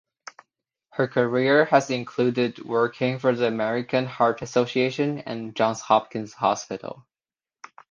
Her career has included working for the American Heart Association and Johns Hopkins Hospital.